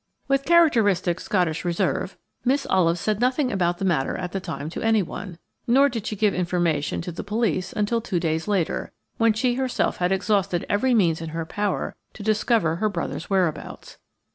With characteristic Scottish reserve, Miss Olive said nothing about the matter at the time to anyone, nor did she give information to the police until two days later, when she herself had exhausted every means in her power to discover her brother's whereabouts.